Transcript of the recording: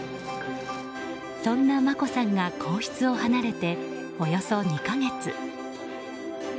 そんな眞子さんが皇室を離れておよそ２か月。